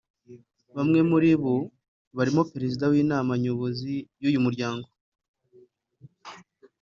Bamwe muri bo barimo Perezida w’Inama Nyobozi y’uyu Muryango